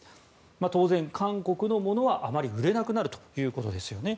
当然、韓国のものはあまり売れなくなるということですよね。